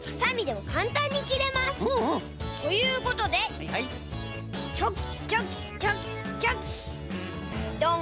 うんうん！ということでチョキチョキチョキチョキドン！